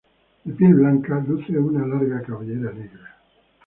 De piel blanca, luce una larga cabellera negra.